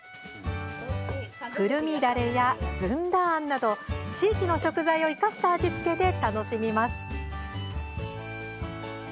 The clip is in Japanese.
クルミだれや、ずんだあんなど地域の食材を生かした味付けで楽しみます。